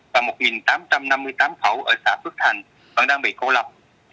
và một tám trăm năm mươi tám khẩu ở xã phước thành vẫn đang bị cô lập